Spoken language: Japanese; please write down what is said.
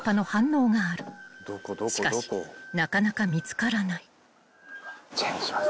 ［しかしなかなか見つからない］